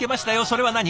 それは何？